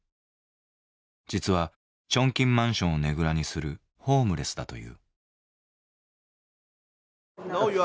実はチョンキンマンションをねぐらにするホームレスだという。